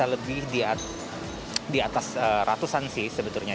m persent yang pas ini ya